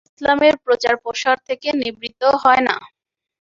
ইসলামের প্রচার-প্রসার থেকে নিবৃতও হয় না।